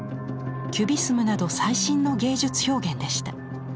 キュビスムなど最新の芸術表現でした。